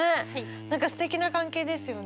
何かすてきな関係ですよね。